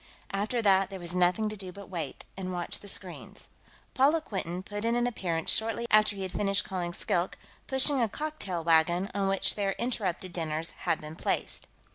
After that, there was nothing to do but wait, and watch the screens. Paula Quinton put in an appearance shortly after he had finished calling Skilk, pushing a cocktail wagon on which their interrupted dinners had been placed.